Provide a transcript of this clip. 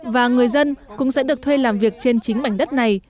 và người dân cũng sẽ được thuê làm việc trên chính mảnh đất này